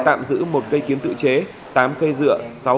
tạm giữ một cây kiếm tự chế tám cây dựa